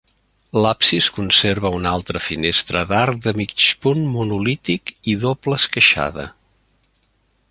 L'absis conserva una altra finestra d'arc de mig punt monolític i doble esqueixada.